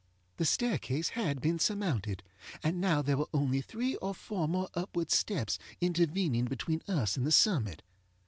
The staircase had been surmounted, and there were now only three or four more upward steps intervening between us and the summit.